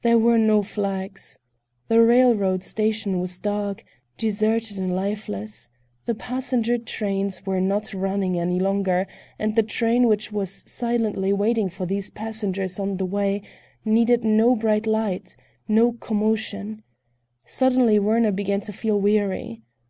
There were no flags. The railroad station was dark, deserted and lifeless; the passenger trains were not running any longer, and the train which was silently waiting for these passengers on the way needed no bright light, no commotion. Suddenly Werner began to feel weary.